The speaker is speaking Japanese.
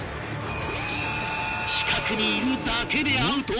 近くにいるだけでアウト？